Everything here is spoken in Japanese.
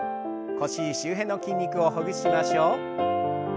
腰周辺の筋肉をほぐしましょう。